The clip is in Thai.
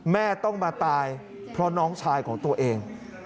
แม่ต้องมาตายเพราะน้องชายของตัวเอง